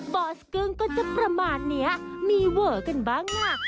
บอสกึ้งก็จะประมาณนี้มีเวอร์กันบ้างน่ะ